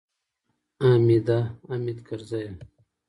حامده! حامد کرزیه!